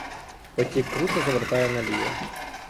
Потік круто завертає наліво.